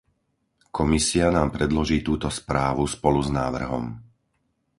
Komisia nám predloží túto správu spolu s návrhom.